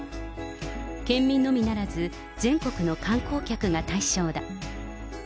県民のみならず、全国の観光客が対象だ。